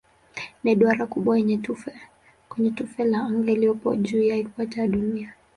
Ni duara kubwa kwenye tufe la anga iliyopo juu ya ikweta ya Dunia.